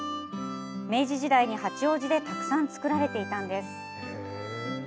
明治時代に、八王子でたくさん作られていたんです。